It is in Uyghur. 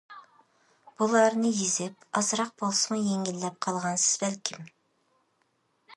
بۇلارنى يېزىپ ئازراق بولسىمۇ يەڭگىللەپ قالغانسىز بەلكىم.